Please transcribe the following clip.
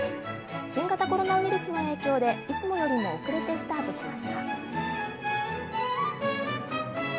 新型コロナウイルスの影響で、いつもよりも遅れてスタートしました。